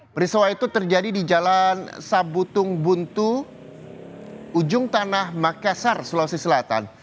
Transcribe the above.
periswa itu terjadi di jalan sabutung buntu ujung tanah makassar sulawesi selatan